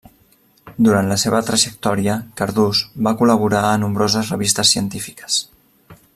Durant la seva trajectòria Cardús va col·laborar a nombroses revistes científiques.